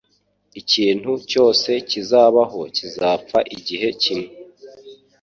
Ikintu cyose kizabaho kizapfa igihe kimwe.